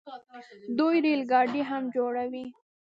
دوی ریل ګاډي هم جوړوي.